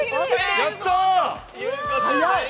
やったー！